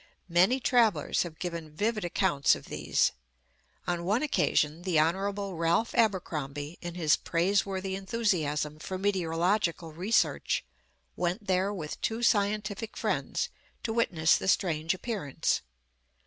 Many travellers have given vivid accounts of these. On one occasion the Hon. Ralph Abercromby, in his praiseworthy enthusiasm for meteorological research, went there with two scientific friends to witness the strange appearance.